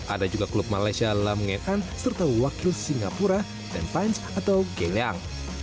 ada juga klub malaysia lam ngan an serta wakil singapura dan pines atau gey liang